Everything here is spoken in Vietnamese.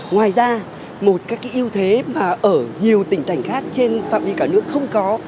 ngoài ra một các yêu thế ở nhiều tỉnh thành khác trên phạm vi cả nước không có